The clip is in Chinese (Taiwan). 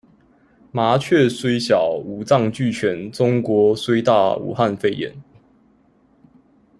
麻雀雖小，五臟俱全；中國雖大，武漢肺炎